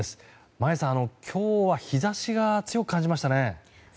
眞家さん、今日は日差しが強く感じましたね。